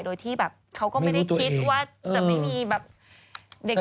โดยที่เขาก็ไม่ได้คิดว่าจะไม่มีเด็กอยู่ในรถหรือเปล่า